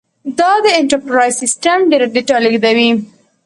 دا انټرپرایز سیسټم ډېره ډیټا لېږدوي.